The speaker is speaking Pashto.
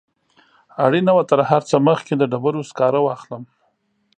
اړینه وه تر هر څه مخکې د ډبرو سکاره واخلم.